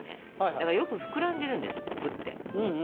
だからよく膨らんでるんですぷくって。